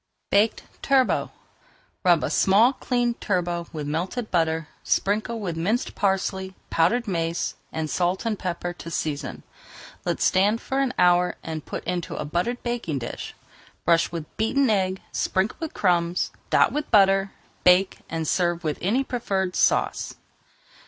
BAKED TURBOT Rub a small cleaned turbot with melted butter, sprinkle with minced parsley, powdered mace, and salt and pepper to season. Let stand for an hour and put into a buttered baking dish. Brush with beaten egg, sprinkle with crumbs, dot with butter, bake, and serve with any preferred sauce.